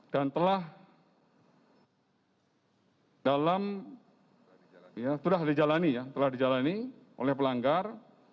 dan telah dalam ya sudah dijalani ya telah dijalani oleh pelanggar